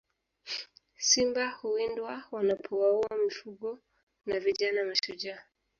Simba huwindwa wanapowaua mifugo na vijana mashujaa